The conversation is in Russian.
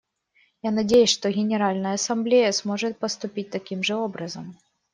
Я надеюсь, что Генеральная Ассамблея сможет поступить таким же образом.